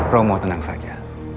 romo tenang saja